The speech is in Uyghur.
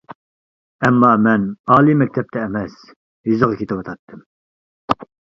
ئەمما، مەن ئالىي مەكتەپتە ئەمەس، يېزىغا كېتىۋاتاتتىم.